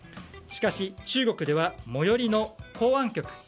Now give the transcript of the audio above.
しかし、中国では最寄りの公安局。